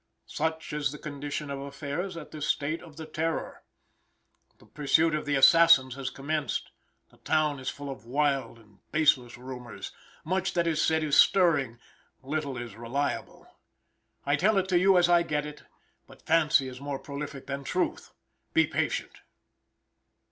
Such is the condition of affairs at this stage of the terror. The pursuit of the assassins has commenced; the town is full of wild and baseless rumors; much that is said is stirring, little is reliable. I tell it to you as I get it, but fancy is more prolific than truth: be patient!